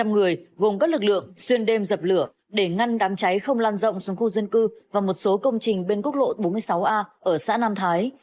một trăm linh người gồm các lực lượng xuyên đêm dập lửa để ngăn đám cháy không lan rộng xuống khu dân cư và một số công trình bên quốc lộ bốn mươi sáu a ở xã nam thái